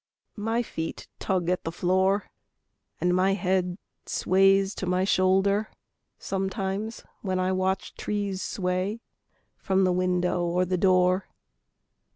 My feet tug at the floor And my head sways to my shoulder Sometimes when I watch trees sway, From the window or the door.